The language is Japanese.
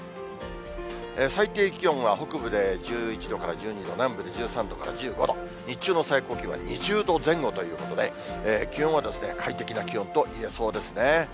最低気温は北部で１１度から１２度、南部で１３度から１５度、日中の最高気温は２０度前後ということで、気温は快適な気温と言えそうですね。